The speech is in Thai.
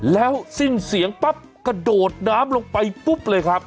แล้วสิ้นเสียงปั๊บกระโดดน้ำลงไปปุ๊บเลยครับ